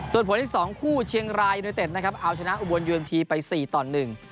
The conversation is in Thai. ส่วนผลอีกสองคู่เชียงรายยูเนเต็ดนะครับเอาชนะอุบลยูเอ็มทีไปสี่ต่อหนึ่ง